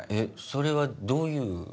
それはどういう？